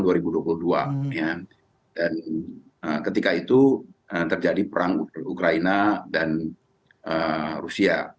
dan ketika itu terjadi perang ukraina dan rusia